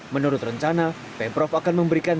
menurut rencana pemprov akan memberikan